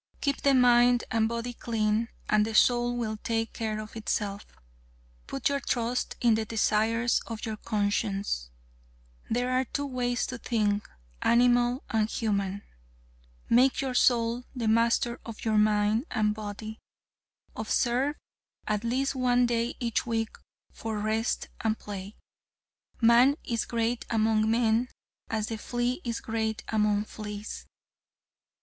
Keep the mind and body clean and the soul will take care of itself. Put your trust in the desires of your conscience. There are two ways to think animal and human. Make your soul the master of your mind and body. Observe at least one day each week for rest and play. Man is great among men as the flea is great among fleas.